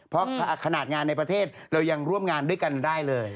เพราะขนาดงานในประเทศเรายังร่วมงานด้วยกันได้เลย